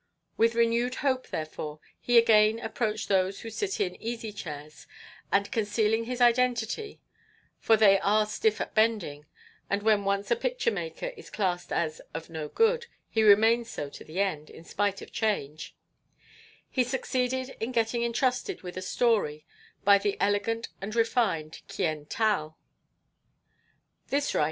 With renewed hope, therefore, he again approached those who sit in easy chairs, and concealing his identity (for they are stiff at bending, and when once a picture maker is classed as "of no good" he remains so to the end, in spite of change), he succeeded in getting entrusted with a story by the elegant and refined Kyen Tal.